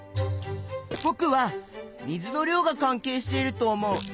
ぼくは水の量が関係していると思う。